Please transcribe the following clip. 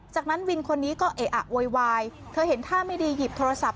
จากนั้นวินคนนี้ก็เอะอะโวยวายเธอเห็นท่าไม่ดีหยิบโทรศัพท์